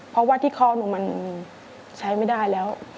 เพราะว่าที่คอหนูมันใช้ไม่ได้แล้ว